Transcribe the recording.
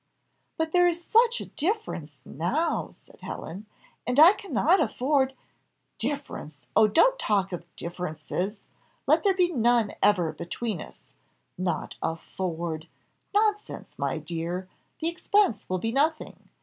"But there is such a difference now" said Helen; "and I cannot afford " "Difference! Oh! don't talk of differences let there be none ever between us. Not afford! nonsense, my dear the expense will be nothing.